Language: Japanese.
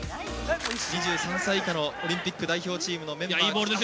◆２３歳以下のオリンピック代表チームのメンバーです。